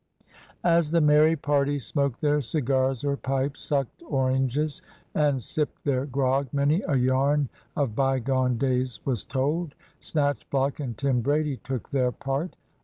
As the merry party smoked their cigars or pipes, sucked oranges, and sipped their grog, many a yarn of bygone days was told. Snatchblock and Tim Brady took their part.